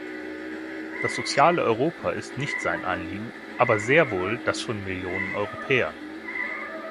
Das soziale Europa ist nicht sein Anliegen, aber sehr wohl das von Millionen Europäern.